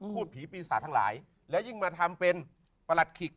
พูดผีปีศาจทั้งหลายและยิ่งมาทำเป็นประหลัดขิก